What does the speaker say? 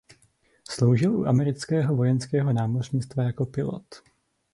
Sloužil u amerického vojenského námořnictva jako pilot.